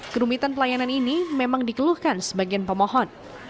kerumitan pelayanan ini memang dikeluhkan sebagian pemohon